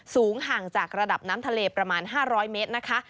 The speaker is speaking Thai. สูงห่างจากระดับน้ำทะเลประมาณ๕๐๐เมตรนะคะ